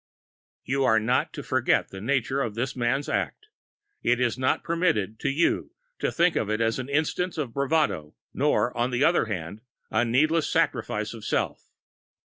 You are not to forget the nature of this man's act; it is not permitted to you to think of it as an instance of bravado, nor, on the other hand, a needless sacrifice of self.